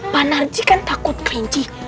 pak narci kan takut klinci